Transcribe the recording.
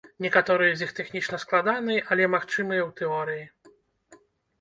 Некаторыя з іх тэхнічна складаныя, але магчымыя ў тэорыі.